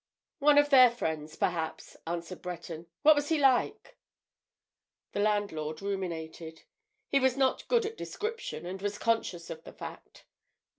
"One of their friends, perhaps," answered Breton. "What was he like?" The landlord ruminated. He was not good at description and was conscious of the fact.